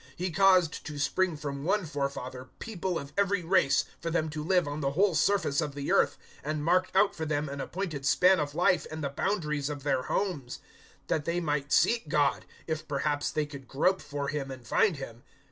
017:026 He caused to spring from one forefather people of every race, for them to live on the whole surface of the earth, and marked out for them an appointed span of life and the boundaries of their homes; 017:027 that they might seek God, if perhaps they could grope for Him and find Him.